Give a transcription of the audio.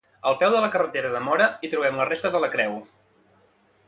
Al peu de la carretera de Móra hi trobem les restes de la creu.